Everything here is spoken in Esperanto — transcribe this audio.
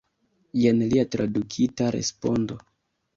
Jen lia tradukita respondo.